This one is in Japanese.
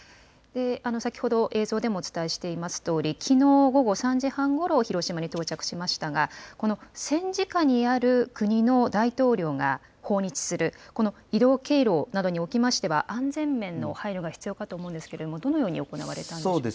先ほど、映像でもお伝えしていますとおり、きのう午後３時半ごろ、広島に到着しましたが、この戦時下にある国の大統領が訪日する、この移動経路などにおきましては、安全面の配慮が必要かと思うんですけれども、どのように行われたんでしょうか。